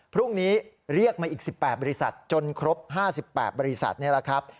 เรียกมาอีก๑๘บริษัทจนครบ๕๘บริษัทนี่แหละครับ